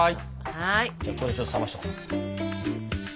じゃあここでちょっと冷ましとこう。